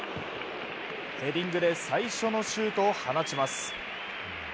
ヘディングで最初のシュートを放ちます。